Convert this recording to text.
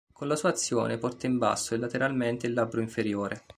Con la sua azione porta in basso e lateralmente il labbro inferiore.